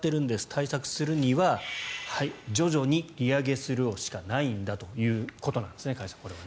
対策するには徐々に利上げするしかないんだということなんですね加谷さん。